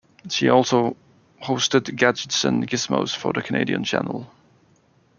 She also hosted "Gadgets and Gizmos" for the Canadian channel.